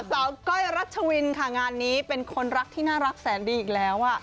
ก้อยรัชวินค่ะงานนี้เป็นคนรักที่น่ารักแสนดีอีกแล้ว